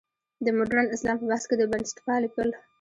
د مډرن اسلام په بحث کې د بنسټپالنې پل.